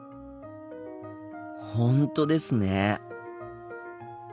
本当ですね。